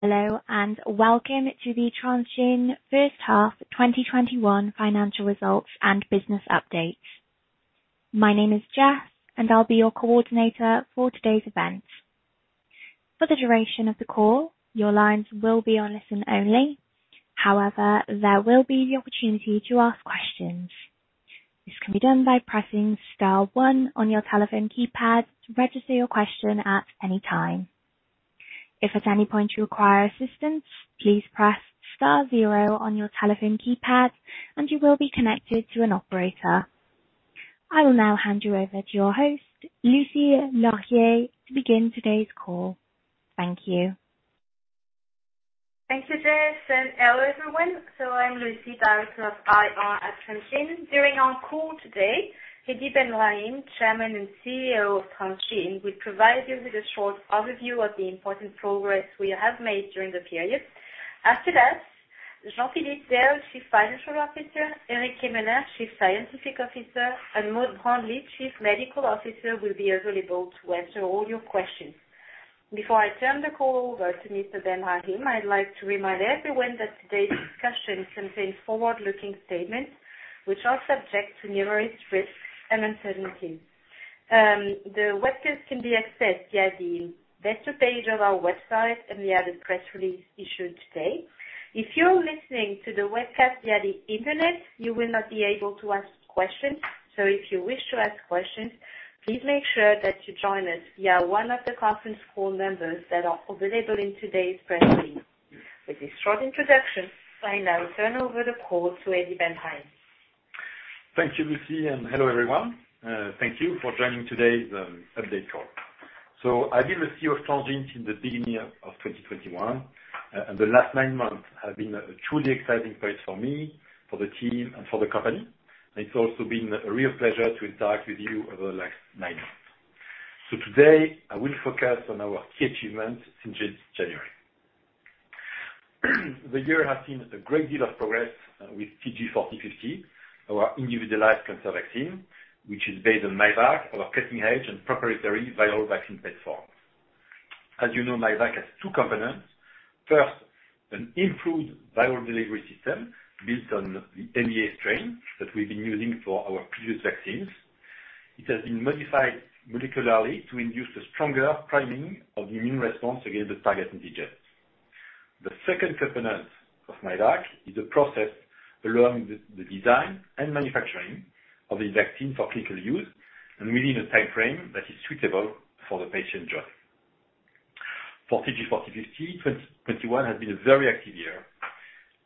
Hello, and welcome to the Transgene First Half 2021 Financial Results and Business Update. My name is Jess, and I'll be your coordinator for today's event. For the duration of the call, your lines will be on listen only. However, there will be the opportunity to ask questions. This can be done by pressing star one on your telephone keypad to register your question at any time. If at any point you require assistance, please press star zero on your telephone keypad, and you will be connected to an operator. I will now hand you over to your host, Lucie Larguier, to begin today's call. Thank you. Thank you, Jess, hello, everyone. I'm Lucie, Director of IR at Transgene. During our call today, Hedi Ben Brahim, Chairman and CEO of Transgene, will provide you with a short overview of the important progress we have made during the period. After that, Jean-Philippe Del, Chief Financial Officer, Eric Quéméneur, Chief Scientific Officer, and Maud Brandely, Chief Medical Officer, will be available to answer all your questions. Before I turn the call over to Mr. Ben Brahim, I'd like to remind everyone that today's discussion contains forward-looking statements which are subject to numerous risks and uncertainties. The webcast can be accessed via the investor page of our website and via the press release issued today. If you're listening to the webcast via the Internet, you will not be able to ask questions. If you wish to ask questions, please make sure that you join us via one of the conference call numbers that are available in today's press release. With this short introduction, I now turn over the call to Hedi Ben Brahim. Thank you, Lucie. Hello, everyone. Thank you for joining today's update call. I've been with CEO Transgene since the beginning of 2021, and the last nine months have been a truly exciting period for me, for the team, and for the company. It's also been a real pleasure to interact with you over the last nine months. Today, I will focus on our key achievements since January. The year has seen a great deal of progress with TG4050, our individualized cancer vaccine, which is based on myvac, our cutting edge and proprietary viral vaccine platform. As you know, myvac has two components. First, an improved viral delivery system built on the MVA strain that we've been using for our previous vaccines. It has been modified molecularly to induce a stronger priming of the immune response against the target antigens. The second component of myvac is a process allowing the design and manufacturing of the vaccine for clinical use and within a timeframe that is suitable for the patient dose. For TG4050, 2021 has been a very active year.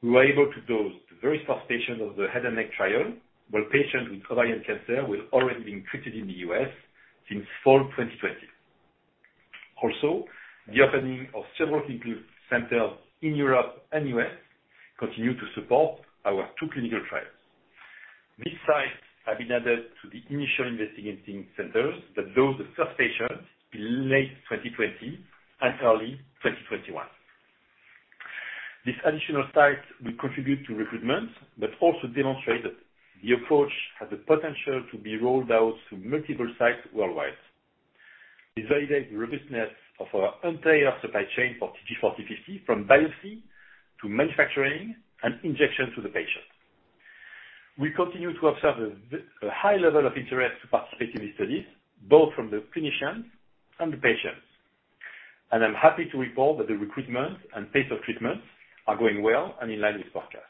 We were able to dose the very first patients of the head and neck trial, while patients with ovarian cancer were already being treated in the U.S. since fall 2020. The opening of several clinical centers in Europe and U.S. continue to support our two clinical trials. These sites have been added to the initial investigating centers that dosed the first patients in late 2020 and early 2021. These additional sites will contribute to recruitment but also demonstrate that the approach has the potential to be rolled out to multiple sites worldwide. This validates the robustness of our entire supply chain for TG4050, from biopsy to manufacturing and injection to the patient. We continue to observe a high level of interest to participate in these studies, both from the clinicians and the patients. I'm happy to report that the recruitment and pace of treatments are going well and in line with forecast.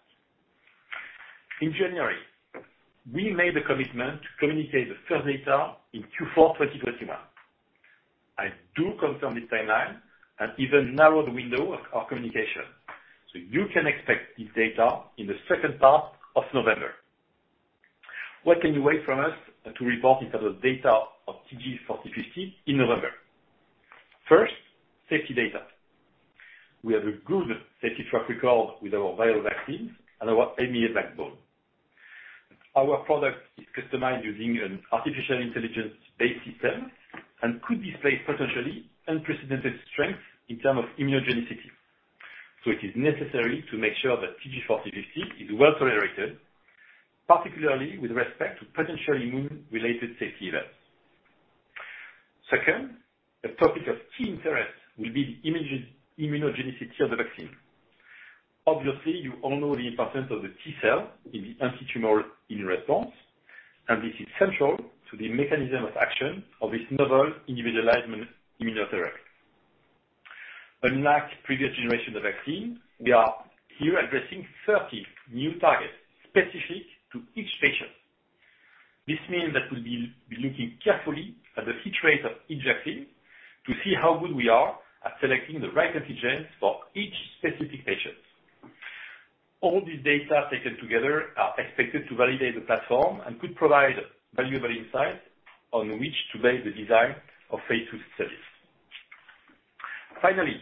In January, we made the commitment to communicate the first data in Q4 2021. I do confirm this timeline and even narrow the window of our communication, you can expect this data in the second part of November. What can you wait from us to report in terms of data of TG4050 in November? First, safety data. We have a good safety track record with our viral vaccines and our MVA backbone. Our product is customized using an artificial intelligence-based system and could display potentially unprecedented strength in terms of immunogenicity. It is necessary to make sure that TG4050 is well-tolerated, particularly with respect to potential immune-related safety events. Second, a topic of key interest will be the immunogenicity of the vaccine. Obviously, you all know the importance of the T cell in the antitumor immune response, and this is central to the mechanism of action of this novel individualized immunotherapy. Unlike previous generations of vaccine, we are here addressing 30 new targets specific to each patient. This means that we'll be looking carefully at the titrate of each vaccine to see how good we are at selecting the right antigens for each specific patient. All these data taken together are expected to validate the platform and could provide valuable insight on which to base the design of phase II studies. Finally,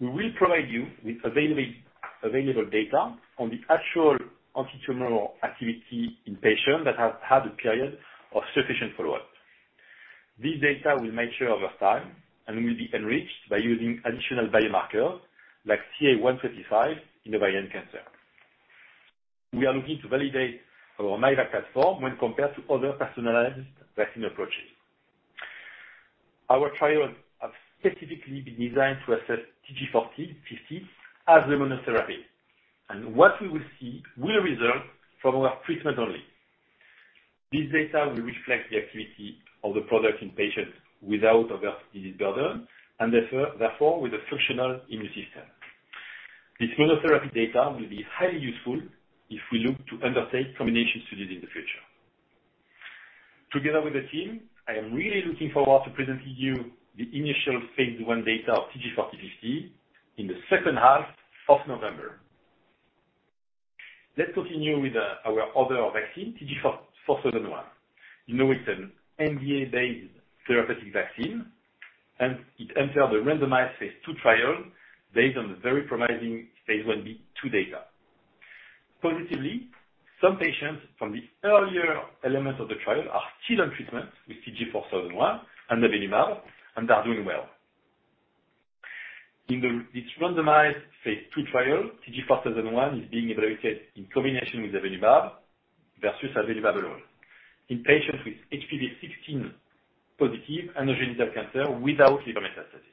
we will provide you with available data on the actual antitumor activity in patients that have had a period of sufficient follow-up. This data will mature over time and will be enriched by using additional biomarkers like CA-125 in ovarian cancer. We are looking to validate our myvac platform when compared to other personalized vaccine approaches. Our trial have specifically been designed to assess TG4050 as a monotherapy. What we will see will result from our treatment only. This data will reflect the activity of the product in patients without a disease burden, and therefore, with a functional immune system. This monotherapy data will be highly useful if we look to undertake combination studies in the future. Together with the team, I am really looking forward to presenting you the initial phase I data of TG4050 in the second half of November. Let's continue with our other vaccine, TG4001. You know it's an MVA-based therapeutic vaccine. It entered the randomized phase II trial based on the very promising phase I-B/II data. Positively, some patients from the earlier elements of the trial are still on treatment with TG4001 and avelumab and are doing well. In this randomized phase II trial, TG4001 is being evaluated in combination with avelumab versus avelumab alone in patients with HPV 16 positive anogenital cancer without liver metastasis.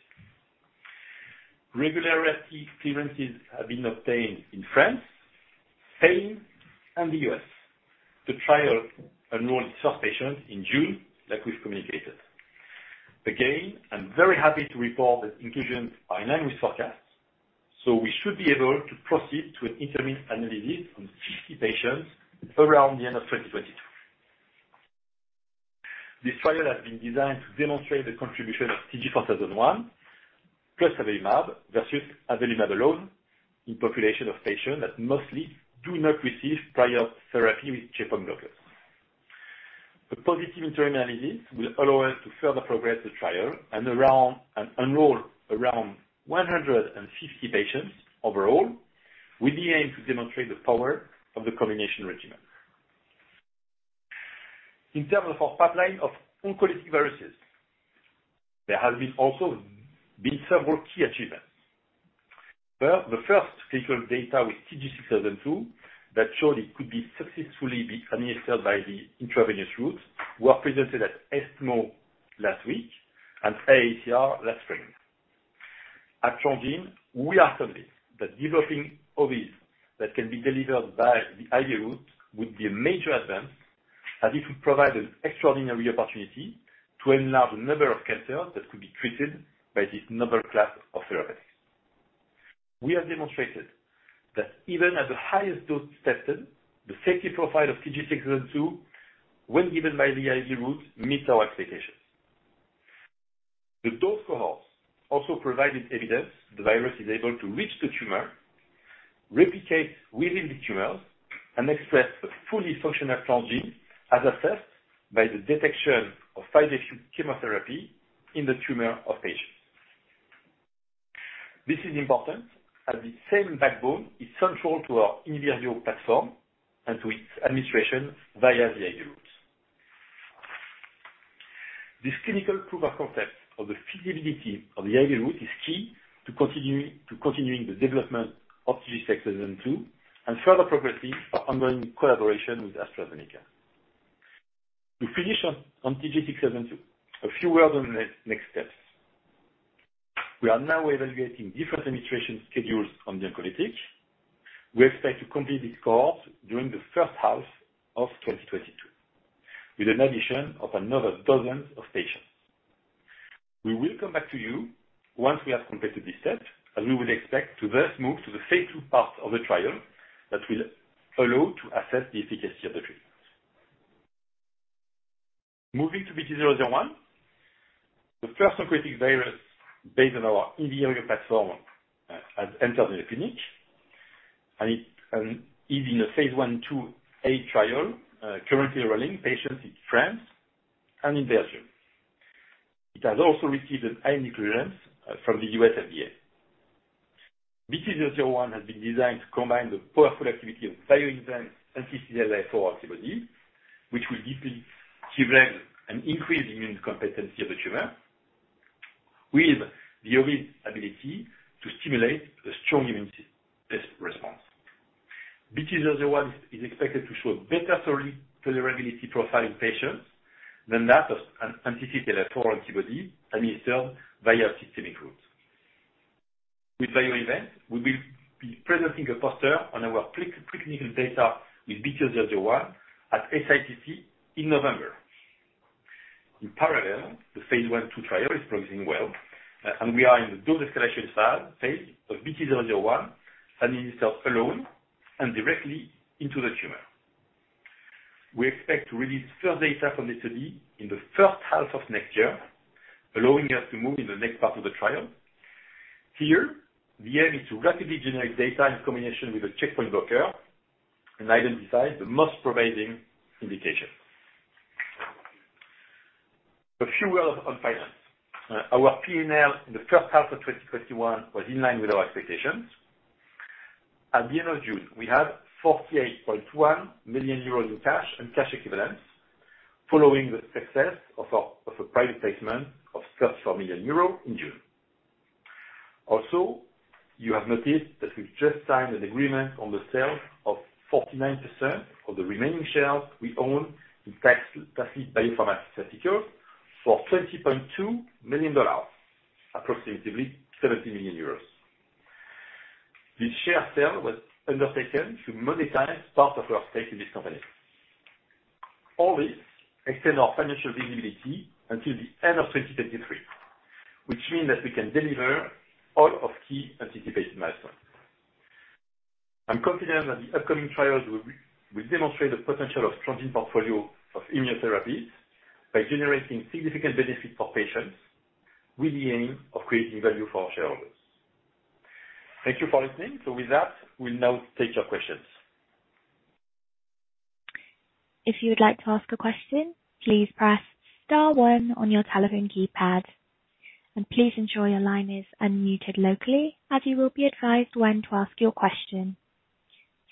Regulatory clearances have been obtained in France, Spain, and the U.S. The trial enrolled its first patient in June, like we've communicated. I'm very happy to report that inclusions are in line with forecast. We should be able to proceed to an interim analysis on 50 patients around the end of 2022. This trial has been designed to demonstrate the contribution of TG4001 plus avelumab versus avelumab alone in population of patients that mostly do not receive prior therapy with checkpoint blockers. The positive interim analysis will allow us to further progress the trial and enroll around 150 patients overall, with the aim to demonstrate the power of the combination regimen. In terms of our pipeline of oncolytic viruses, there has also been several key achievements. First, the first clinical data with TG6002 that showed it could be successfully be administered by the intravenous route were presented at ESMO last week and AACR last spring. At Transgene, we are convinced that developing OVs that can be delivered by the IV route would be a major advance as it would provide an extraordinary opportunity to enlarge the number of cancers that could be treated by this novel class of therapies. We have demonstrated that even at the highest dose tested, the safety profile of TG6002 when given by the IV route meet our expectations. The dose cohorts also provided evidence the virus is able to reach the tumor, replicate within the tumor, and express a fully functional transgene as assessed by the detection of 5-FU chemotherapy in the tumor of patients. This is important as the same backbone is central to our Invir.IO platform and to its administration via the IV routes. This clinical proof of concept of the feasibility of the IV route is key to continuing the development of TG6002 and further progressing our ongoing collaboration with AstraZeneca. To finish on TG6002, a few words on the next steps. We are now evaluating different administration schedules on the oncolytic. We expect to complete this cohort during the first half of 2022, with an addition of another dozens of patients. We will come back to you once we have completed this step, we will expect to thus move to the phase II part of the trial that will allow to assess the efficacy of the treatment. Moving to BT-001, the first oncolytic virus based on our Invir.IO platform has entered the clinic, is in a phase I/II-A trial currently enrolling patients in France and in Belgium. It has also received an IND clearance from the U.S. FDA. BT-001 has been designed to combine the powerful activity of BioInvent's anti-CTLA-4 antibody, which will deplete Treg and increase immune competency of the tumor with the OVs ability to stimulate a strong immune response. BT-001 is expected to show better tolerability profile in patients than that of an anti-CTLA-4 antibody administered via systemic route. With BioInvent, we will be presenting a poster on our preclinical data with BT-001 at SITC in November. In parallel, the phase I/II trial is progressing well, and we are in the dose escalation phase of BT-001 administered alone and directly into the tumor. We expect to release first data from the study in the first half of next year, allowing us to move in the next part of the trial. Here, the aim is to rapidly generate data in combination with a checkpoint blocker and identify the most promising indication. A few words on finance. Our P&L in the first half of 2021 was in line with our expectations. At the end of June, we have 48.1 million euros in cash and cash equivalents following the success of a private placement of 34 million euros in June. You have noticed that we've just signed an agreement on the sale of 49% of the remaining shares we own in Tasly Biopharmaceuticals for $20.2 million, approximately 17 million euros. This share sale was undertaken to monetize part of our stake in this company. All this extend our financial visibility until the end of 2023, which means that we can deliver all of key anticipated milestones. I'm confident that the upcoming trials will demonstrate the potential of Transgene portfolio of immunotherapies by generating significant benefit for patients with the aim of creating value for our shareholders. Thank you for listening. With that, we'll now take your questions. If you would like to ask a question, please press star one on your telephone keypad. Please ensure your line is unmuted locally, as you will be advised when to ask your question.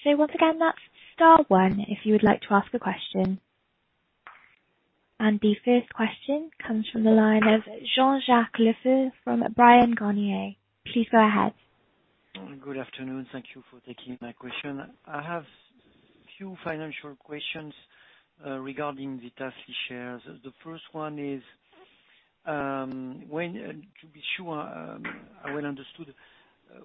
Once again, that's star one if you would like to ask a question. The first question comes from the line of Jean-Jacques Le Fur from Bryan, Garnier. Please go ahead. Good afternoon. Thank you for taking my question. I have few financial questions regarding the Tasly shares. The first one is, to be sure I well understood,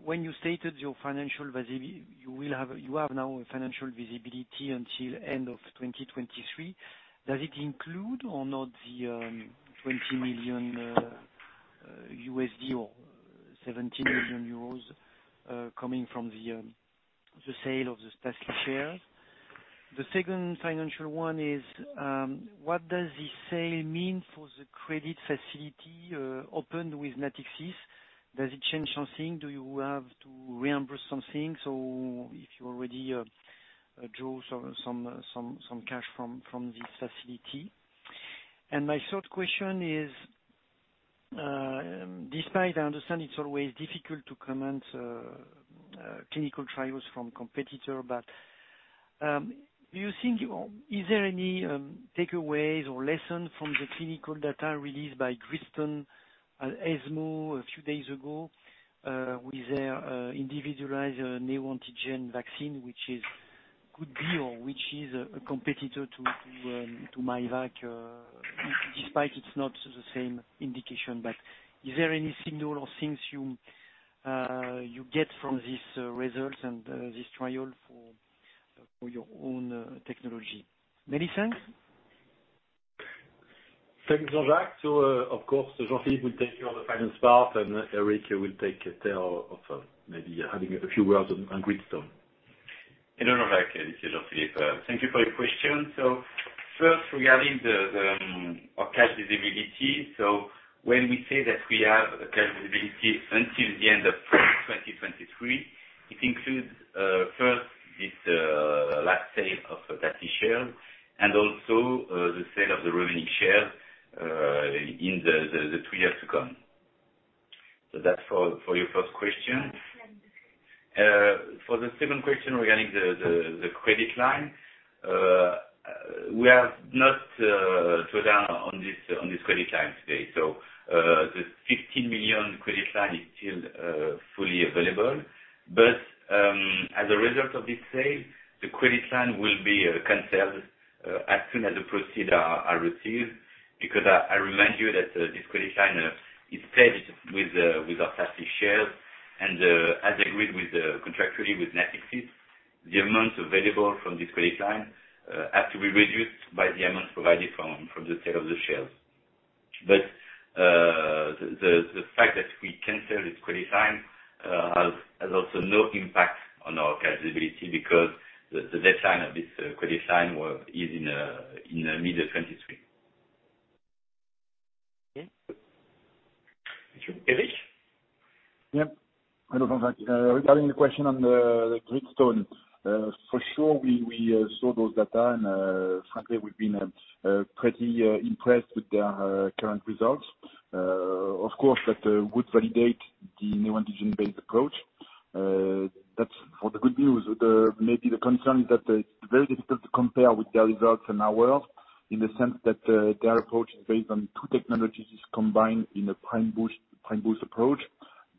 when you stated your financial visibility, you have now a financial visibility until end of 2023. Does it include or not the $20 million or 17 million euros coming from the sale of the Tasly shares? The second financial one is, what does this sale mean for the credit facility opened with Natixis? Does it change something? Do you have to reimburse something? If you already draw some cash from this facility. My third question is, despite I understand it's always difficult to comment clinical trials from competitor, but do you think is there any takeaways or lesson from the clinical data released by Gritstone at ESMO a few days ago with their individualized neoantigen vaccine, which could be or which is a competitor to myvac, despite it's not the same indication. Is there any signal or things you get from these results and this trial for your own technology? Many thanks. Thanks, Jean-Jacques. Of course, Jean-Philippe will take you on the finance part, and Eric will take a tail of maybe having a few words on Gritstone. Hello, Jean-Jacques. This is Jean-Philippe. Thank you for your question. First, regarding our cash visibility. When we say that we have a cash visibility until the end of 2023, it includes, first, this last sale of Tasly share and also the sale of the remaining share in the two years to come. That's for your first question. For the second question regarding the credit line. We have not drawn on this credit line today. The 15 million credit line is still fully available. As a result of this sale, the credit line will be canceled as soon as the proceeds are received, because I remind you that this credit line is pledged with our Tasly shares. As agreed contractually with Natixis, the amount available from this credit line has to be reduced by the amount provided from the sale of the shares. The fact that we cancel this credit line has also no impact on our cash visibility because the deadline of this credit line is in mid 2023. Okay. Thank you. Eric? Yep. Hello, Jean-Jacques. Regarding the question on the Gritstone. For sure, we saw those data and frankly we've been pretty impressed with their current results. Of course, that would validate the neoantigen-based approach. That's for the good news. Maybe the concern is that it's very difficult to compare with their results and ours in the sense that their approach is based on two technologies combined in a prime boost approach,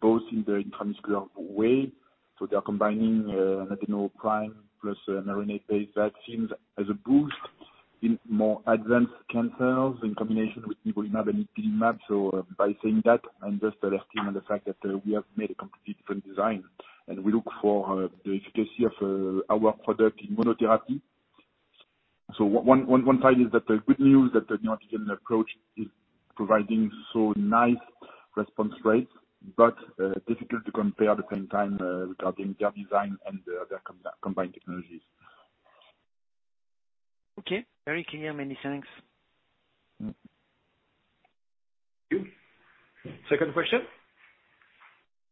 both in the intramuscular way. They are combining an immuno prime plus mRNA-based vaccines as a boost in more advanced cancers in combination with nivolumab and ipilimumab. By saying that, I'm just arresting on the fact that we have made a completely different design, and we look for the efficacy of our product in monotherapy. One side is the good news that the neoantigen approach is providing so nice response rates, but difficult to compare at the same time regarding their design and their combined technologies. Okay. Very clear. Many thanks. Thank you. Second question?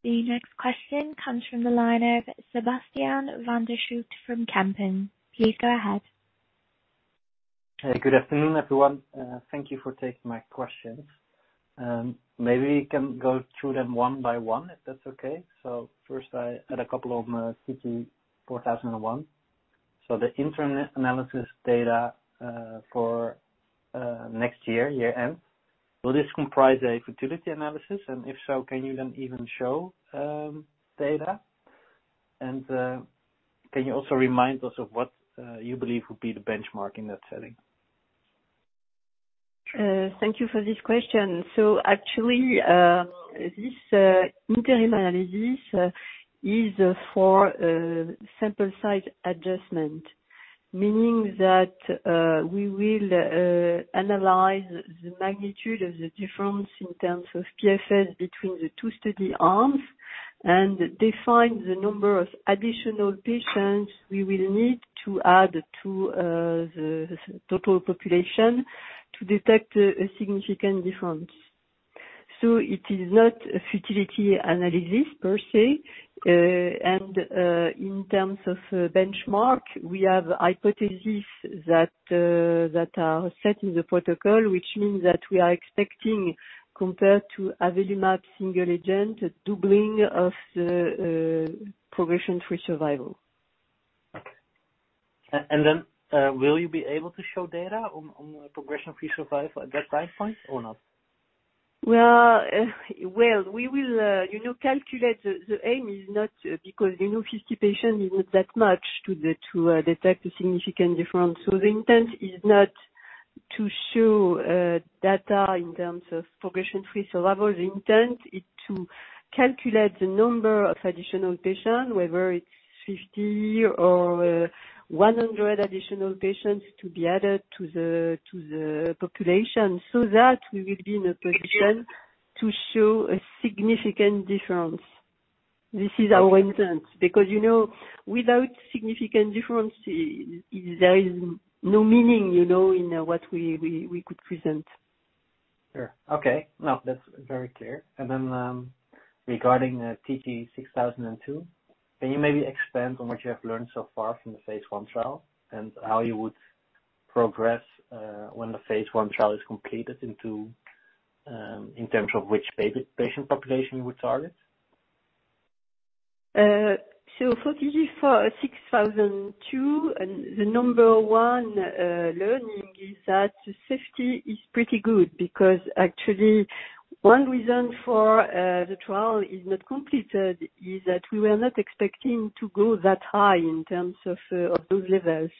The next question comes from the line of Sebastiaan van der Schoot from Kempen. Please go ahead. Good afternoon, everyone. Thank you for taking my questions. Maybe we can go through them one by one, if that's okay. First I had a couple on TG4001. The interim analysis data for next year end, will this comprise a futility analysis? If so, can you then even show data? Can you also remind us of what you believe would be the benchmark in that setting? Thank you for this question. Actually, this interim analysis is for sample size adjustment, meaning that we will analyze the magnitude of the difference in terms of PFS between the two study arms and define the number of additional patients we will need to add to the total population to detect a significant difference. It is not a futility analysis per se. In terms of benchmark, we have hypotheses that are set in the protocol, which means that we are expecting, compared to avelumab single agent, a doubling of the progression-free survival. Okay. Will you be able to show data on, progression-free survival at that time point or not? Well, we will calculate. The aim is not because, 50 patients is not that much to detect a significant difference. The intent is not to show data in terms of progression-free survival. The intent is to calculate the number of additional patients, whether it's 50 or 100 additional patients to be added to the population, so that we will be in a position to show a significant difference. This is our intent, because without significant difference, there is no meaning, in what we could present. Sure. Okay. No, that is very clear. Regarding TG6002, can you maybe expand on what you have learned so far from the phase I trial and how you would progress, when the phase I trial is completed in terms of which patient population you would target? For TG6002, the number one learning is that the safety is pretty good because actually one reason for the trial is not completed is that we were not expecting to go that high in terms of those levels.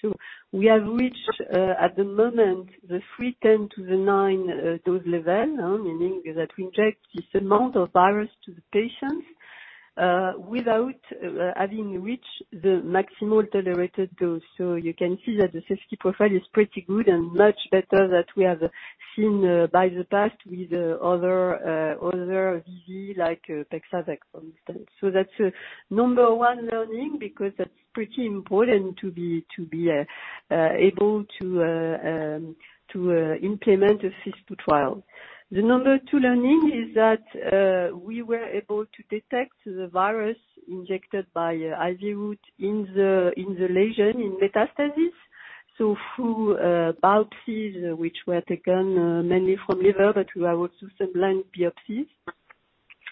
We have reached at the moment the three 10 to the 9 dose level, meaning that we inject this amount of virus to the patients without having reached the maximal tolerated dose. You can see that the safety profile is pretty good and much better that we have seen by the past with other VV like Pexa-Vec, for instance. That's number one learning because that's pretty important to be able to implement a phase II trial. The number two learning is that we were able to detect the virus injected by IV route in the lesion in metastasis. Through biopsies which were taken mainly from liver, but we have also some lung biopsies.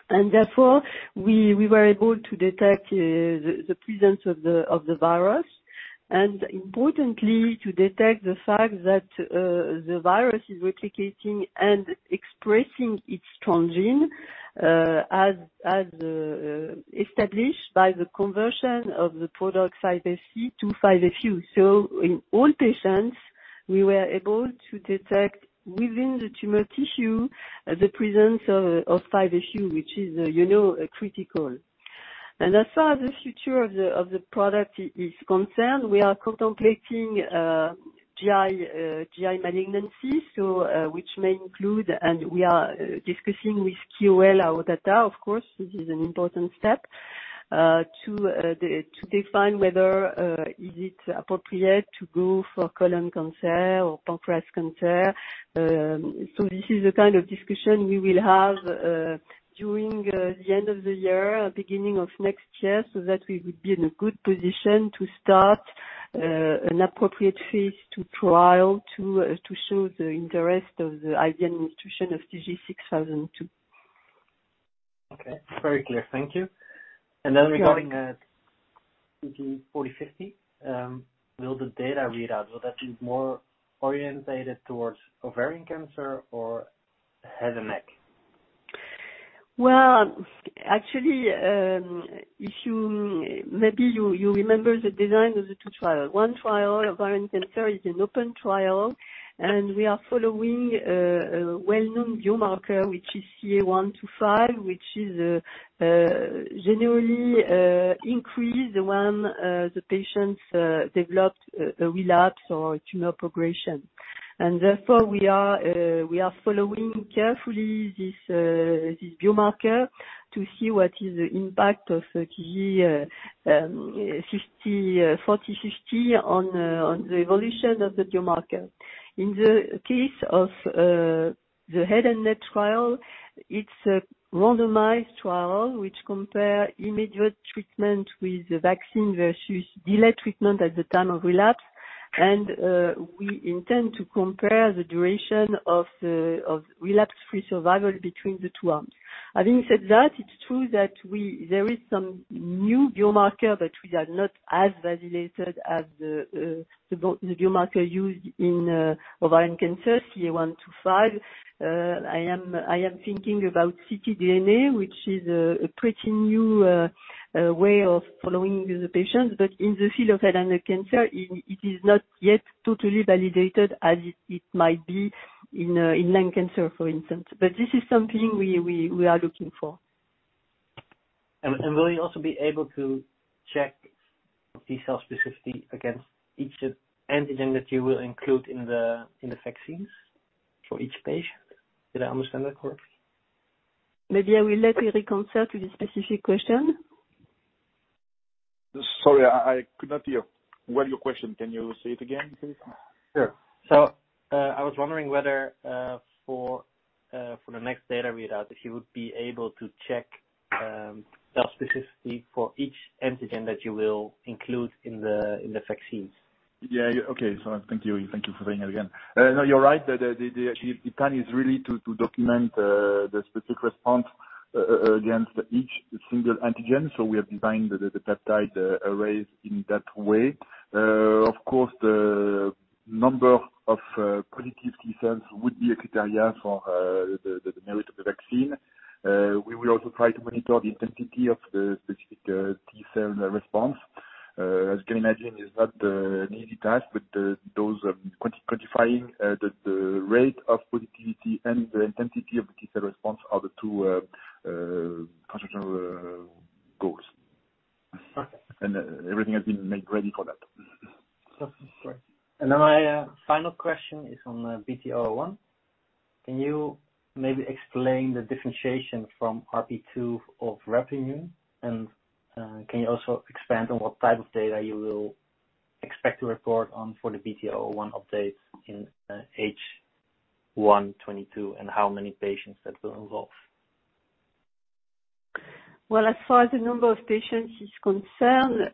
Therefore, we were able to detect the presence of the virus and importantly to detect the fact that the virus is replicating and expressing its transgene as established by the conversion of the product 5-FC to 5-FU. In all patients, we were able to detect within the tumor tissue the presence of 5-FU which is critical. As far as the future of the product is concerned, we are contemplating GI malignancies which may include, and we are discussing with KOL our data, of course, which is an important step, to define whether is it appropriate to go for colon cancer or pancreas cancer. This is the kind of discussion we will have during the end of the year, beginning of next year, so that we would be in a good position to start an appropriate phase II trial to show the interest of the IV administration of TG6002. Okay. Very clear. Thank you. Regarding TG4050, will the data readout, will that be more oriented towards ovarian cancer or head and neck? Well, actually, maybe you remember the design of the two trials. One trial, ovarian cancer, is an open trial and we are following a well-known biomarker, which is CA-125, which is generally increased when the patients developed a relapse or tumor progression. Therefore, we are following carefully this biomarker to see what is the impact of TG4050 on the evolution of the biomarker. In the case of the head and neck trial, it's a randomized trial which compare immediate treatment with the vaccine versus delayed treatment at the time of relapse. We intend to compare the duration of relapse-free survival between the two arms. Having said that, it's true that there is some new biomarker that we are not as validated as the biomarker used in ovarian cancer, CA-125. I am thinking about ctDNA, which is a pretty new way of following the patients. In the field of head and neck cancer, it is not yet totally validated as it might be in lung cancer, for instance. This is something we are looking for. Will you also be able to check T cell specificity against each antigen that you will include in the vaccines for each patient? Did I understand that correctly? Maybe I will let Eric answer to this specific question. Sorry, I could not hear well your question. Can you say it again, please? Sure. I was wondering whether, for the next data readout, if you would be able to check specificity for each antigen that you will include in the vaccines? Yeah. Okay. Thank you for saying it again. No, you're right. The plan is really to document the specific response against each single antigen. We have designed the peptide arrays in that way. Of course, the number of positive T cells would be a criteria for the merit of the vaccine. We will also try to monitor the intensity of the specific T cell response. As you can imagine, it's not an easy task, those quantifying the rate of positivity and the intensity of the T cell response are the two conceptual goals. Okay. Everything has been made ready for that. That's great. My final question is on BT-001. Can you maybe explain the differentiation from RP2 of Replimune? Can you also expand on what type of data you will expect to report on for the BT-001 updates in H1 2022 and how many patients that will involve? Well, as far as the number of patients is concerned,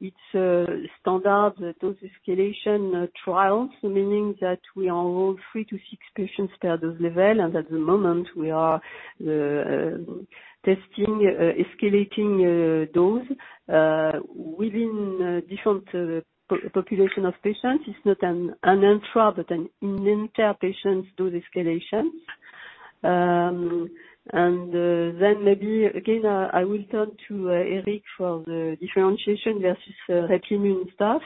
it's a standard dose escalation trial, meaning that we enroll three to six patients per dose level. At the moment we are testing escalating dose within different population of patients. It's not an intra, but an inter patient dose escalation. Maybe again, I will turn to Eric for the differentiation versus Replimune stuff.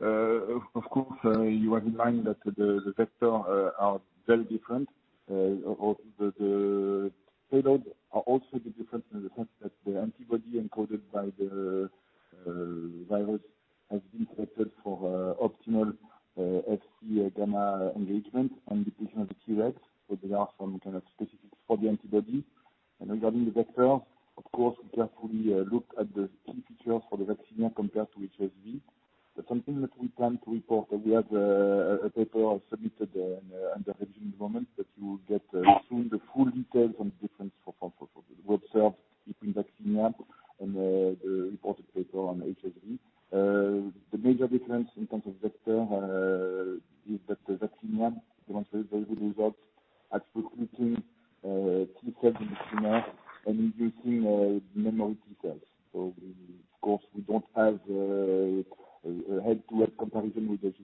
Of course, you have in mind that the vector are very different. The payload are also a bit different in the sense that the antibody encoded by the virus has been selected for optimal Fc gamma engagement and depletion of the Treg. There are some kind of specifics for the antibody. Regarding the vector, of course, we carefully look at the key features for the vaccinia compared to HSV. That's something that we plan to report. We have a paper submitted under revision at the moment that you will get soon the full details on the difference for the observed between vaccinia and the reported paper on HSV. The major difference in terms of vector is that the vaccinia demonstrated very good results at recruiting T cells in the tumor and inducing memory T cells. Of course we don't have head-to-head comparison with this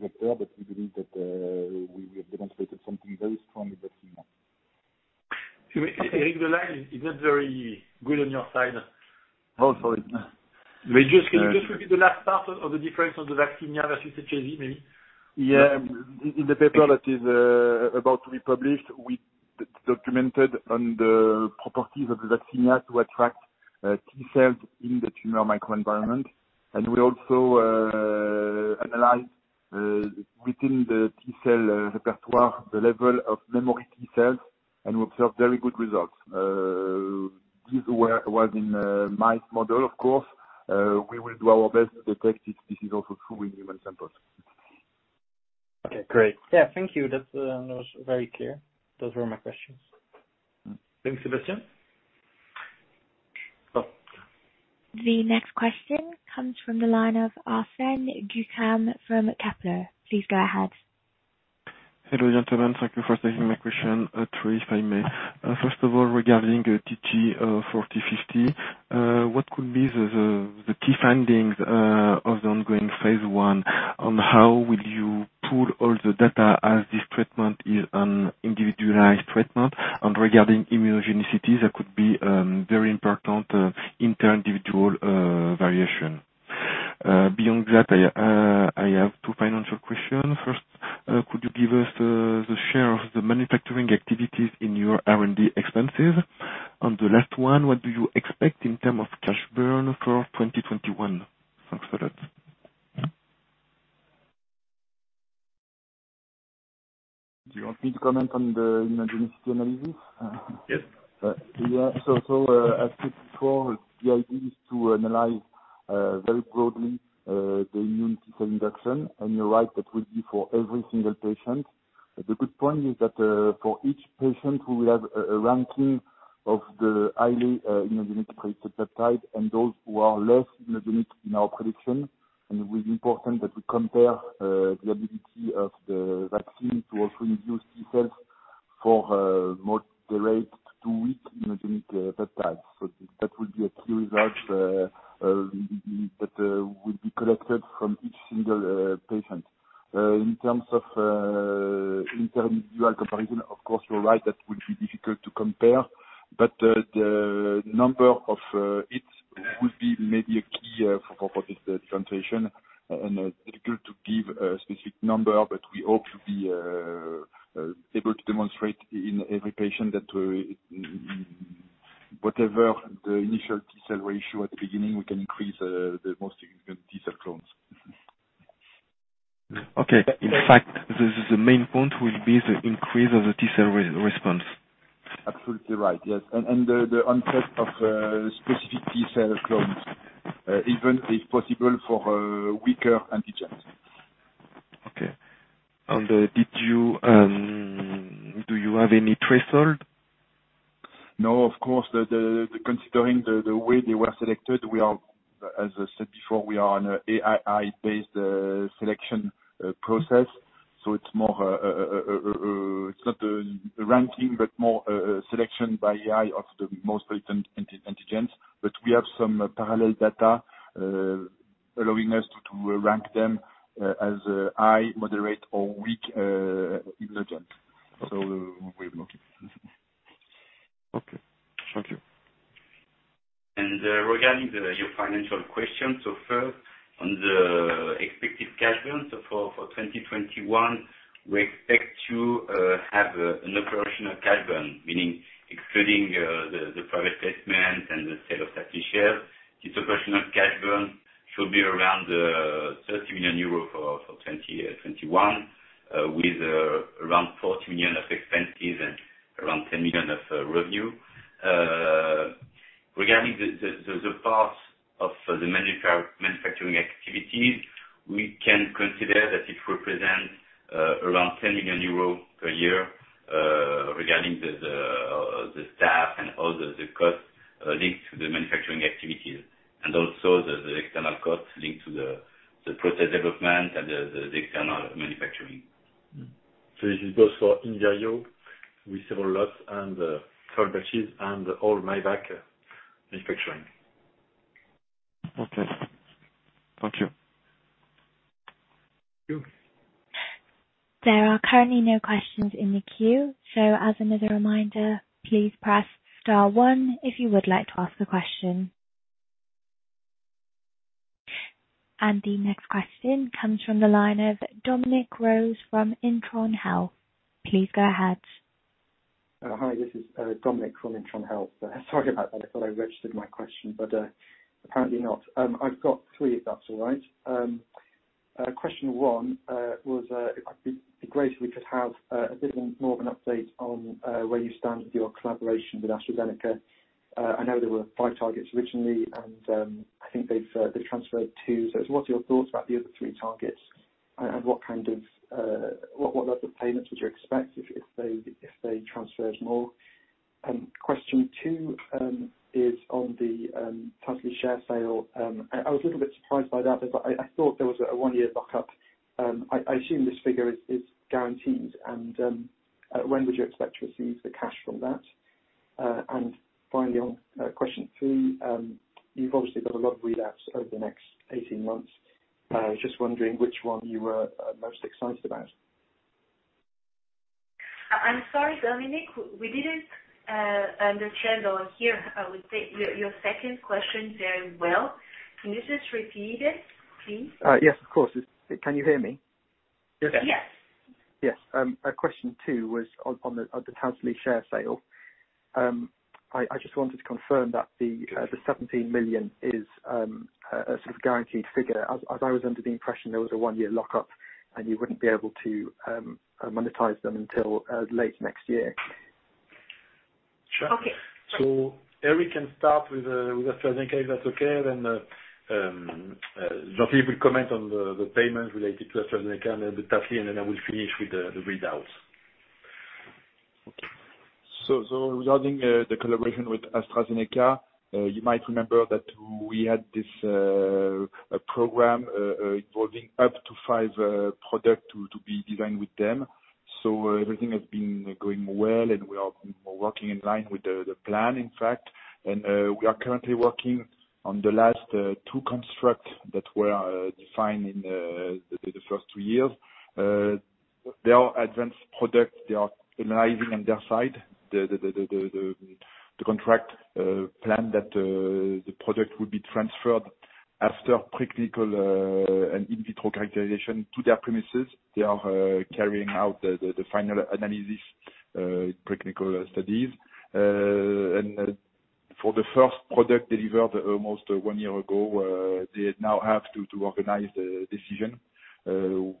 vector, but we believe that we have demonstrated something very strong with vaccinia. Eric, the line is not very good on your side. Oh, sorry. Can you just repeat the last part of the difference of the vaccinia versus HSV maybe? Yeah. In the paper that is about to be published, we documented on the properties of the vaccinia to attract T cells in the tumor microenvironment. We also analyzed within the T cell repertoire, the level of memory T cells, and we observed very good results. These were in mice model, of course. We will do our best to detect if this is also true in human samples. Okay, great. Yeah. Thank you. That was very clear. Those were my questions. Thanks, Sebastian. The next question comes from the line of Arsène Guekam from Kepler. Please go ahead. Hello, gentlemen. Thank you for taking my question. Three, if I may. First of all, regarding TG4050, what could be the key findings of the ongoing phase I on how will you pool all the data as this treatment is an individualized treatment? Regarding immunogenicity, there could be very important inter-individual variation. Beyond that, I have two financial questions. First, could you give us the share of the manufacturing activities in your R&D expenses? The last one, what do you expect in term of cash burn for 2021? Thanks a lot. Do you want me to comment on the immunogenicity analysis? Yes. As said before, the idea is to analyze very broadly the immune T cell induction. You're right, that will be for every single patient. The good point is that for each patient who will have a ranking of the highly immunogenic peptide and those who are less immunogenic in our prediction, it will be important that we compare the ability of the vaccine to also induce T cells for moderate to weak immunogenic peptides. That will be a key result that will be collected from each single patient. In terms of individual comparison, of course, you're right, that would be difficult to compare, but the number of hits would be maybe a key for this presentation. Difficult to give a specific number, but we hope to be able to demonstrate in every patient that whatever the initial T cell ratio at the beginning, we can increase the most significant T cell clones. In fact, the main point will be the increase of the T cell response. Absolutely right. Yes. The onset of specific T cell clones, even if possible, for weaker antigens. Okay. Do you have any threshold? No, of course, considering the way they were selected, as I said before, we are on AI-based selection process, it's not a ranking, but more selection by AI of the most potent antigens. We have some parallel data allowing us to rank them as high, moderate, or weak antigens. We block it. Okay. Thank you. Regarding your financial question, first, on the expected cash burn. For 2021, we expect to have an operational cash burn, meaning excluding the private placement and the sale of Tasly shares. Operational cash burn should be around 30 million euro for 2021, with around 40 million of expenses and around 10 million of revenue. Regarding the parts of the manufacturing activities, we can consider that it represents around 10 million euros per year regarding the staff and all the costs linked to the manufacturing activities, and also the external costs linked to the process development and the external manufacturing. This is both for Invir.IO with several lots and third batches and all myvac manufacturing. Okay. Thank you. Thank you. There are currently no questions in the queue. As another reminder, please press star one if you would like to ask a question. The next question comes from the line of Dominic Rose from Intron Health. Please go ahead. Hi, this is Dominic from Intron Health. Sorry about that. I thought I registered my question, but apparently not. I've got three, if that's all right. Question one, it would be great if we could have a bit more of an update on where you stand with your collaboration with AstraZeneca. I know there were five targets originally, and I think they've transferred two. What are your thoughts about the other three targets, and what other payments would you expect if they transferred more? Question two is on the Tasly share sale. I was a little bit surprised by that. I thought there was a one-year lockup. I assume this figure is guaranteed. When would you expect to receive the cash from that? Finally, on question three, you've obviously got a lot of readouts over the next 18 months. Just wondering which one you are most excited about? I'm sorry, Dominic. We didn't understand or hear, I would say, your second question very well. Can you just repeat it, please? Yes, of course. Can you hear me? Yes. Yes. Question two was on the Tasly share sale. I just wanted to confirm that the 17 million is a sort of guaranteed figure. I was under the impression there was a one-year lockup and you wouldn't be able to monetize them until late next year. Sure. Okay. Great. Eric can start with AstraZeneca, if that's okay. Jean-Philippe will comment on the payments related to AstraZeneca and the Tasly, and then I will finish with the readouts. Regarding the collaboration with AstraZeneca, you might remember that we had this program involving up to five product to be designed with them. Everything has been going well, and we are working in line with the plan, in fact. We are currently working on the last two constructs that were defined in the first two years. They are advanced products. They are analyzing on their side the contract plan that the product would be transferred after preclinical and in vitro characterization to their premises. They are carrying out the final analysis, preclinical studies. For the first product delivered almost one year ago, they now have to organize a decision.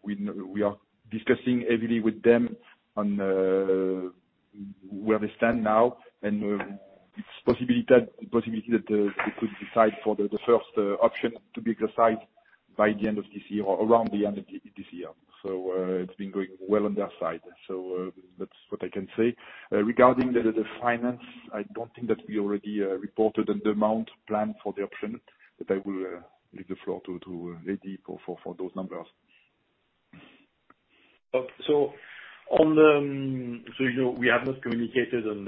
We are discussing heavily with them on where they stand now, and it's a possibility that they could decide for the first option to be exercised. By the end of this year or around the end of this year. It's been going well on their side. That's what I can say. Regarding the finance, I don't think that we already reported on the amount planned for the option, but I will leave the floor to Hedi for those numbers. We have not communicated on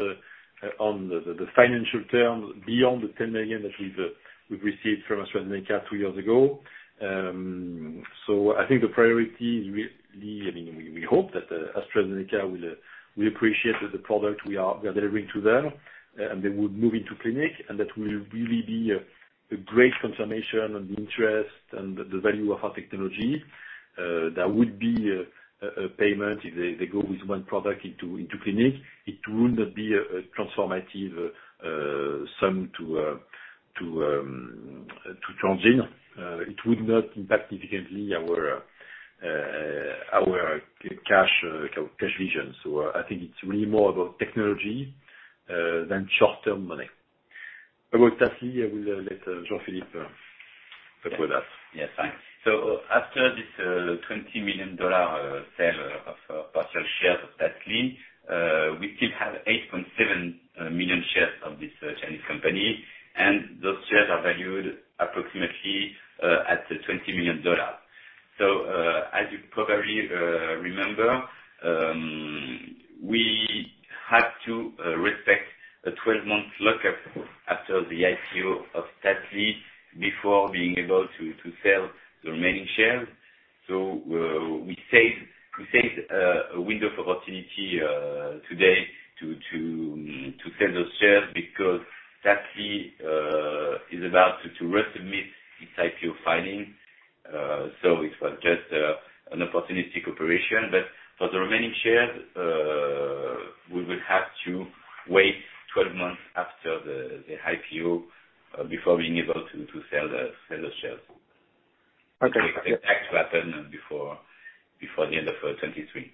the financial terms beyond the 10 million that we've received from AstraZeneca two years ago. I think the priority, we hope that AstraZeneca will appreciate the product we are delivering to them, and they would move into clinic, and that will really be a great confirmation on the interest and the value of our technology. That would be a payment if they go with one product into clinic. It would not be a transformative sum to Transgene. It would not impact significantly our cash vision. I think it's really more about technology than short-term money. About Tasly, I will let Jean-Philippe talk with us. Yes, fine. After this $20 million sale of partial shares of Tasly, we still have 8.7 million shares of this Chinese company, and those shares are valued approximately at $20 million. As you probably remember, we had to respect a 12-month lock-up after the IPO of Tasly before being able to sell the remaining shares. We saved a window of opportunity today to sell those shares because Tasly is about to resubmit its IPO filing. It was just an opportunistic operation. For the remaining shares, we will have to wait 12 months after the IPO before being able to sell the shares. Exact pattern before the end of 2023.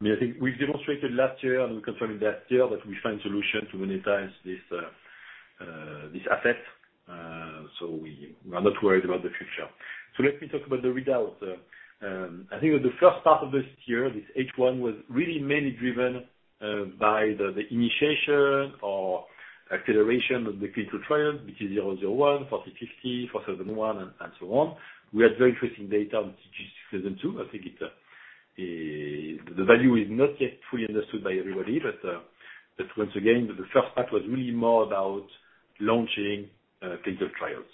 I think we've demonstrated last year, and we confirmed last year that we find solution to monetize this asset. We are not worried about the future. Let me talk about the readout. I think the first part of this year, this H1, was really mainly driven by the initiation or acceleration of the clinical trial, BT-001, TG4050, TG4001, and so on. We had very interesting data on TG6002. I think the value is not yet fully understood by everybody, but once again, the first part was really more about launching clinical trials.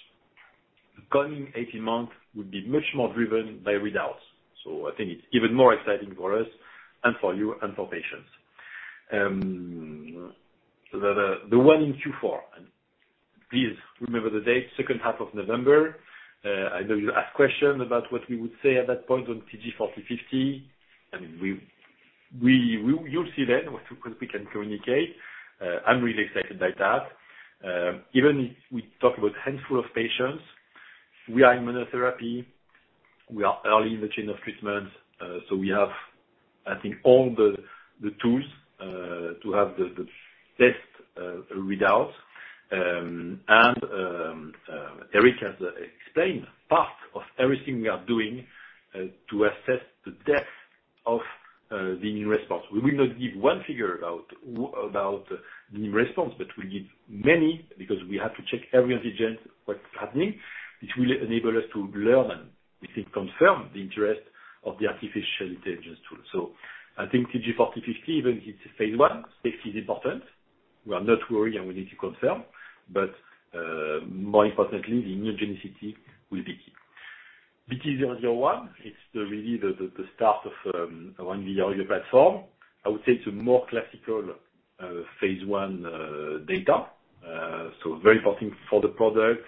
The coming 18 months would be much more driven by readouts. I think it's even more exciting for us and for you and for patients. The one in Q4, and please remember the date, second half of November. I know you asked questions about what we would say at that point on TG4050. You'll see then what we can communicate. I'm really excited by that. Even if we talk about handful of patients, we are immunotherapy. We are early in the chain of treatment. We have, I think, all the tools to have the best readout. Eric has explained part of everything we are doing to assess the depth of the immune response. We will not give one figure about the immune response, but we give many because we have to check every antigen what's happening. It will enable us to learn and, we think, confirm the interest of the artificial intelligence tool. I think TG4050, even if it's a phase I, safety is important. We are not worried, and we need to confirm. More importantly, the immunogenicity will be key. BT-001, it's really the start of our Invir.IO platform. I would say it's a more classical phase I data. Very important for the product,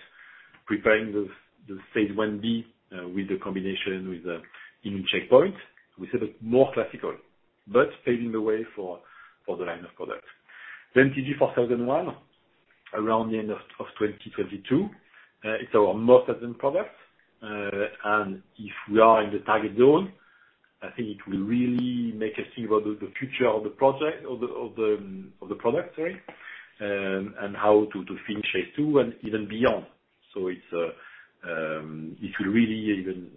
preparing the phase I-B with the combination with immune checkpoint. We said it's more classical but paving the way for the line of products. TG4001, around the end of 2022. It's our most recent product. If we are in the target zone, I think it will really make us think about the future of the project, of the product, say, and how to finish phase II and even beyond. It will really even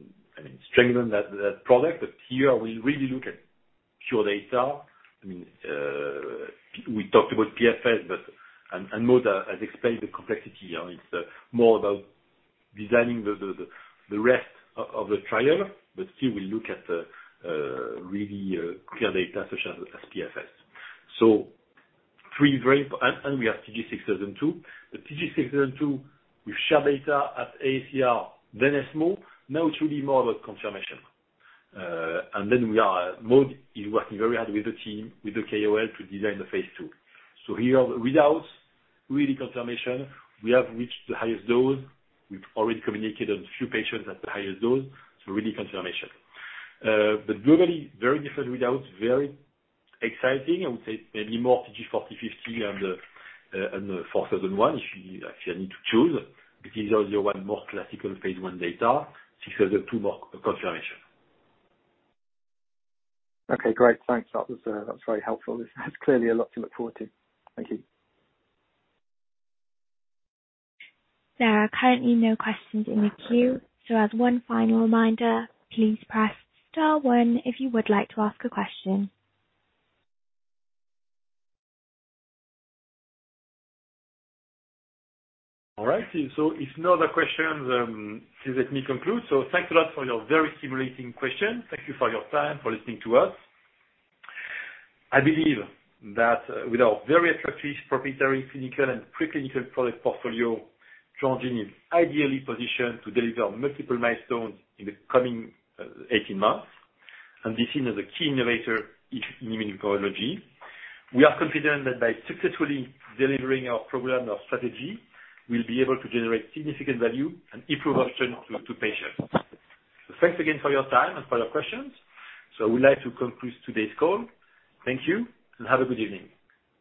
strengthen that product. Here we really look at pure data. We talked about PFS, and Maud has explained the complexity. It's more about designing the rest of the trial, but still we look at really clear data such as PFS. We have TG6002. The TG6002, we share data at AACR, then ESMO. Now it's really more about confirmation. Maud is working very hard with the team, with the KOL to design the phase II. Here, readouts, really confirmation. We have reached the highest dose. We've already communicated on few patients at the highest dose, really confirmation. Globally, very different readouts, very exciting. I would say maybe more TG-4050 and the TG4001, if I need to choose. BT-001, more classical phase I data. TG6002, more confirmation. Okay, great. Thanks. That is very helpful. There is clearly a lot to look forward to. Thank you. There are currently no questions in the queue. As one final reminder, please press star one if you would like to ask a question. All right. If no other questions, please let me conclude. Thanks a lot for your very stimulating questions. Thank you for your time, for listening to us. I believe that with our very attractive proprietary clinical and pre-clinical product portfolio, Transgene is ideally positioned to deliver multiple milestones in the coming 18 months and be seen as a key innovator in immunology. We are confident that by successfully delivering our program and our strategy, we'll be able to generate significant value and improve options to patients. Thanks again for your time and for your questions. We'd like to conclude today's call. Thank you, and have a good evening.